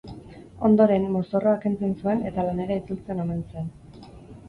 Ondoren, mozorroa kentzen zuen eta lanera itzultzen omen zen.